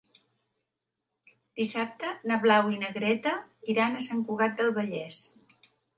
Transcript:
Dissabte na Blau i na Greta iran a Sant Cugat del Vallès.